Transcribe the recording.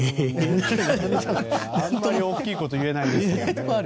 あんまり大きいこと言えないです。